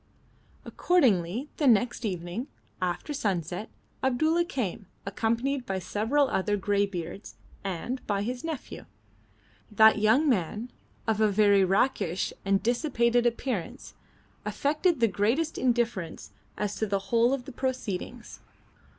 Accordingly the next evening, after sunset, Abdulla came, accompanied by several other grey beards and by his nephew. That young man of a very rakish and dissipated appearance affected the greatest indifference as to the whole of the proceedings.